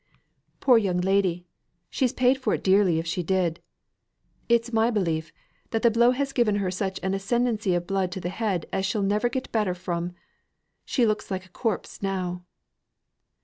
"Poor young lady! she's paid for it dearly if she did. It's my belief, that the blow has given her such an ascendancy of blood to the head as she'll never get the better from. She looks like a corpse now."